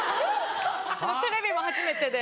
テレビも初めてで。